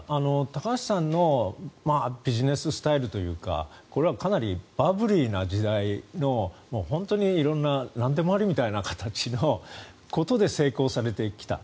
高橋さんのビジネススタイルというかこれはかなりバブリーな時代の本当に色んななんでもありみたいな形のことで成功されてきた。